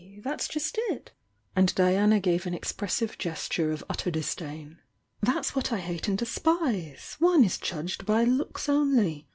That's just it!" And Diana gave an I I. Il «48 THE YOUNG DIANA expressive gesture of utter disdain. "That's what I hate and despise! One is judged by looks only.